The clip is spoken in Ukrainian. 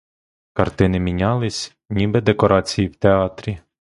Картини мінялись, ніби декорації в театрі.